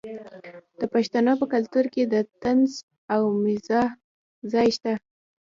د پښتنو په کلتور کې د طنز او مزاح ځای شته.